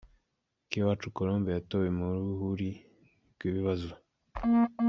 Akiwacu Colombe yatowe mu ruhuri rw’ibibazo.